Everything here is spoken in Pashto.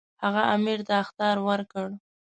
هغه امیر ته اخطار ورکړ.